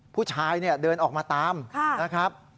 ผู้ชายเนี่ยเดินออกมาตามนะครับ